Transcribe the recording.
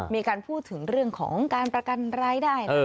มีการพูดถึงเรื่องของการประกันรายได้